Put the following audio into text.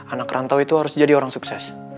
anak rantau itu harus jadi orang sukses